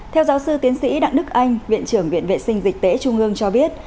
theo giáo sư tiến sĩ đặng đức anh viện trưởng viện vệ sinh dịch tễ trung ương cho biết